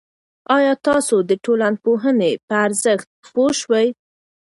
آیا تاسو د ټولنپوهنې په ارزښت پوه شوئ؟